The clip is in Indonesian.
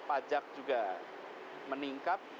pajak juga meningkat